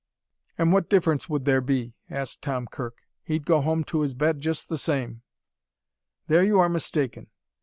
"An' what difference would there be?" asked Tom Kirk. "He'd go home to his bed just the same." "There, you are mistaken.